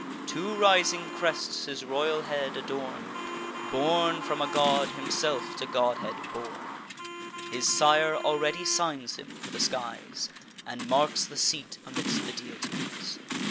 Two rising crests, his royal head adorn; Born from a god, himself to godhead born: His sire already signs him for the skies, And marks the seat amidst the deities.